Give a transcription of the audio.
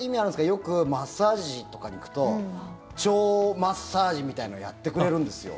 よくマッサージとかに行くと腸マッサージみたいなのをやってくれるんですよ。